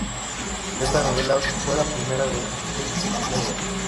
Esta novela fue la primera de Fritz Leiber.